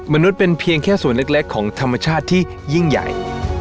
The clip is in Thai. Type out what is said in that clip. มนุษย์เป็นเพียงแค่ส่วนเล็กของธรรมชาติที่ยิ่งใหญ่